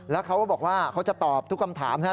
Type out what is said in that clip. แล้วเขาก็บอกว่าเขาจะตอบทุกคำถามนะครับ